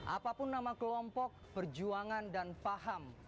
apapun nama kelompok perjuangan dan paham